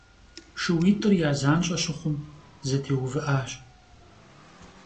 Шууитӏыр я занщӏэ щыхъум, зэтеувыӏащ.